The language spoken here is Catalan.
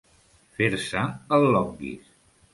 Fer-se el longuis.